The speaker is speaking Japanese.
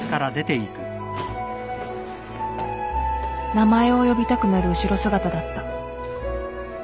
名前を呼びたくなる後ろ姿だった